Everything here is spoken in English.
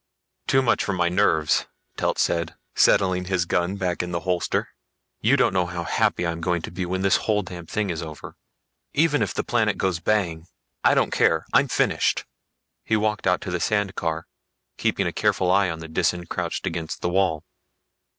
"Too much for my nerves," Telt said, settling his gun back in the holster. "You don't know how happy I'm gonna be when this whole damn thing is over. Even if the planet goes bang, I don't care. I'm finished." He walked out to the sand car, keeping a careful eye on the Disan crouched against the wall.